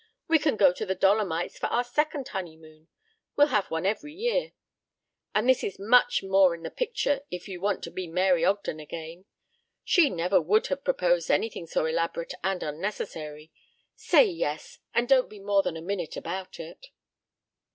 We can go to the Dolomites for our second honeymoon we'll have one every year. And this is much more in the picture if you want to be Mary Ogden again. She never would have proposed anything so elaborate and unnecessary. Say yes, and don't be more than a minute about it."